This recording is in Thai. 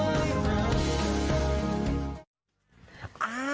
ได้รักกัน